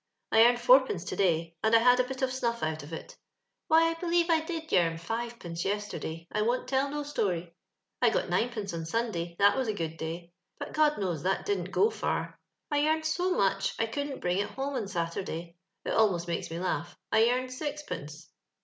I earned four pence to day, and I had a bit of snuff out of it. Why, I believe I did yearn fivepence yesterday — I won't tell no story. I got ninepence on Sunday — ^that was a good day ; but, God knows, tliat didD't go far. I yearned so much I couldn't bring it home on Saturday— it almost makes me laugh, — I yearned sixpence.